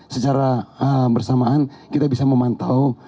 secara bersamaan kita bisa memantau